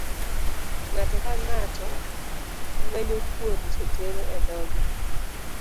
Ng'ato ka ng'ato ngwenyo kuon to tero e dhoge.